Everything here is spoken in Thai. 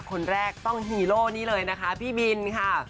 คนแรกต้องฮีโร่นี้เลยนะคะพี่บินค่ะ